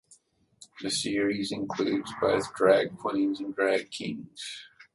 The series includes both drag queens and drag kings.